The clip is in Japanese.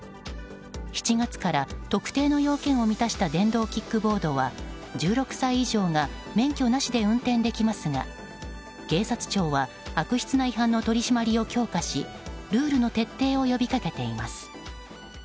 ７月から特定の要件を満たした電動キックボードは１６歳以上が免許なしで運転できますが警察庁は悪質な違反の取り締まりを強化しルールの徹底を呼び掛けています。